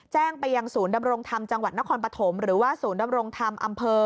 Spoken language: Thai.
แจ้งไปยังศูนย์ดำรงธรรมจังหวัดนครปฐมหรือว่าศูนย์ดำรงธรรมอำเภอ